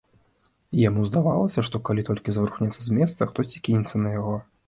Яму здавалася, што, калі толькі зварухнецца з месца, хтосьці кінецца на яго.